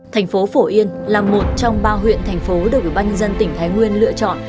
thành phố phổ yên là một trong ba huyện thành phố được banh dân tỉnh thái nguyên lựa chọn